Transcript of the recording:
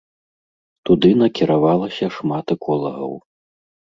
Туды накіравалася шмат эколагаў.